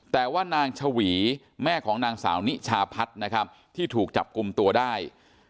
แต่ว่านางชวีแม่ของนางสาวนิชาพัฒน์นะครับที่ถูกจับกลุ่มตัวได้